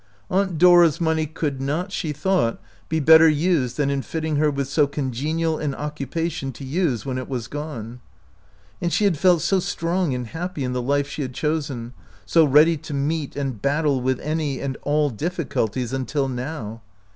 Aunt Dora's money could not, she thought, be better used than in fitting her with so congenial an oc cupation to use when it was gone. And she had felt so strong and happy in the life she had chosen, so ready to meet and battle with any and all difficulties until now!